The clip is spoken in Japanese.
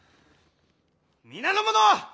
皆の者！